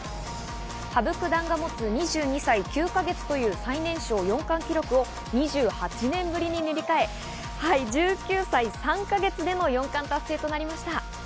羽生九段が持つ２２歳９か月という最年少四冠記録を２８年ぶりに塗り替え、１９歳３か月での四冠達成となりました。